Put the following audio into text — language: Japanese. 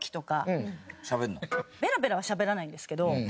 ベラベラはしゃべらないんですけど。